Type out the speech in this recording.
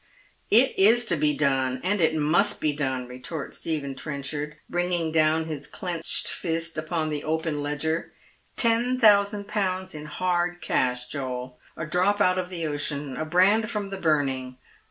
" It is to be done, and it must be done," retorts Stephen Trenchard, bringing down his clenched fist upon the open ledg«« •—" ten thousand pounds in hard cash, Joel — a drop out of thw ocean, a brand from the burning.